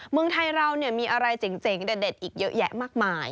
เมืองไทยเรามีอะไรเจ๋งเด็ดอีกเยอะแยะมากมาย